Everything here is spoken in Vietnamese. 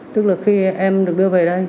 tức là khi em được đưa về đây